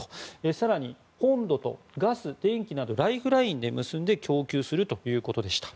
更に、本土とガスと電気などのライフラインで結んで供給するということでした。